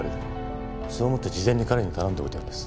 そう思って事前に彼に頼んでおいたんです。